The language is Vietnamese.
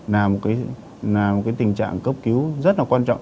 là một tình trạng cấp cứu rất là quan trọng